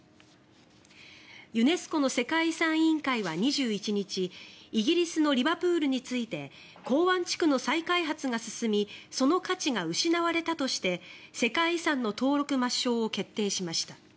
ユネスコの世界遺産委員会は２１日イギリスのリバプールについて港湾地区の再開発が進みその価値が失われたとして世界遺産の登録抹消を決定しました。